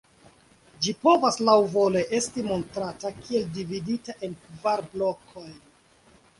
Ĝi povas laŭvole esti montrata kiel dividita en kvar blokojn.